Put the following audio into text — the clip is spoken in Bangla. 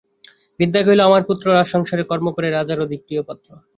বৃদ্ধা কহিল, আমার পুত্র রাজসংসারে কর্ম করে রাজার অতি প্রিয় পাত্র।